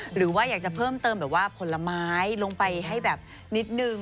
หรือว่าอยากจะเพิ่มเติมแบบว่าผลไม้ลงไปให้แบบนิดนึง